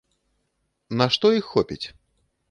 На што іх хопіць?